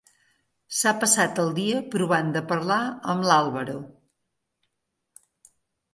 S'ha passat el dia provant de parlar amb l'Álvaro.